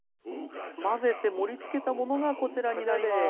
混ぜて盛りつけたものがこちらになります。